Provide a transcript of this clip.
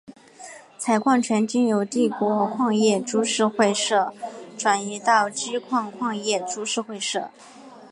采矿权经由帝国矿业株式会社转移到矶部矿业株式会社。